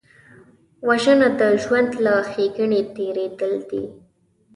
وژنه د ژوند له ښېګڼې تېرېدل دي